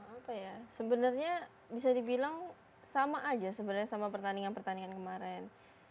apa ya sebenarnya bisa dibilang sama aja sebenarnya sama pertandingan pertandingan kemarin